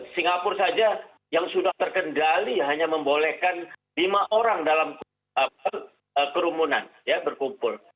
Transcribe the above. singapura saja yang sudah terkendali hanya membolehkan lima orang dalam kerumunan ya berkumpul